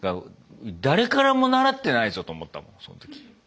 誰からも習ってないぞと思ったもんその時。